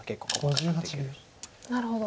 なるほど。